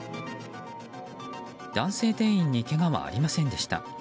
男性店員にけがはありませんでした。